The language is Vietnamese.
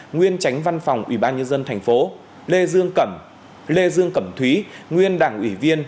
nguyên chánh văn phòng ủy ban nhân dân thành phố lê dương cẩm lê dương cẩm thúy nguyên đảng ủy viên